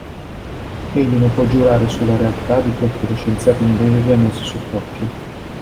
Egli non può giurare su la realtà di quel che lo scienziato inglese gli ha messo sott'occhio.